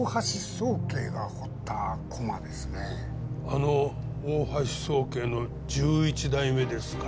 あの大橋宗桂の１１代目ですか？